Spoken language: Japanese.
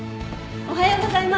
おはようございます。